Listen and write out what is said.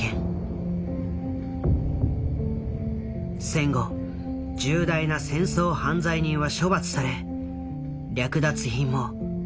戦後重大な戦争犯罪人は処罰され略奪品も一部は返還された。